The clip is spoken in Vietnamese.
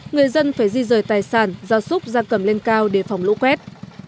người dân phải di rời tài sản giao súc ra cầm lên cao để phòng lũ quét